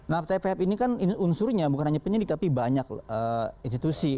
nah tpf ini kan unsurnya bukan hanya penyidik tapi banyak institusi